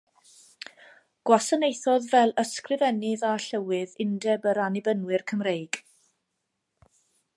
Gwasanaethodd fel Ysgrifennydd a Llywydd Undeb yr Annibynwyr Cymreig.